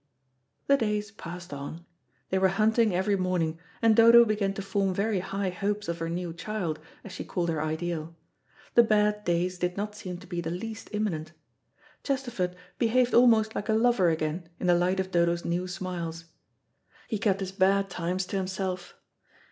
The days passed on. They went hunting every morning, and Dodo began to form very high hopes of her new child, as she called her ideal. The bad days did not seem to be the least imminent. Chesterford behaved almost like a lover again in the light of Dodo's new smiles. He kept his bad times to himself.